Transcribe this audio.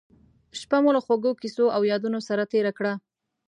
شپه مو له خوږو کیسو او یادونو سره تېره کړه.